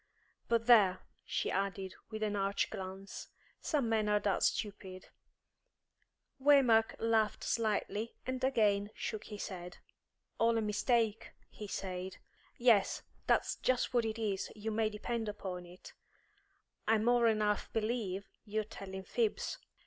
But, there," she added, with an arch glance, "some men are that stupid " Waymark laughed slightly, and again shook his head. "All a mistake," he said. "Yes, that's just what it is, you may depend upon it. I more'n half believe you're telling fibs."